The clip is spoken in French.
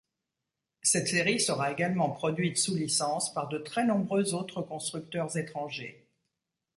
Cette série sera également produite sous licence par de très nombreux autres constructeurs étrangers.